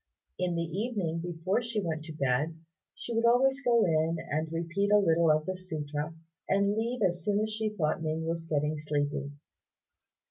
In the evening before she went to bed, she would always go in and repeat a little of the sutra, and leave as soon as she thought Ning was getting sleepy.